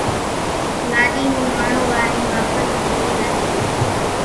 لاڏي نون آڻو وارين واپس تيڙي زاشي۔